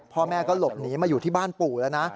พ่อแม่ก็หลบหนีมาอยู่ที่บ้านปู่แล้วนะ